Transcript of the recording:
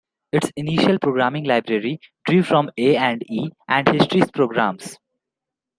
Its initial programming library drew from A and E and History's programs.